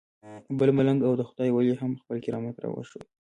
بل ملنګ او د خدای ولی هم خپل کرامت راوښود.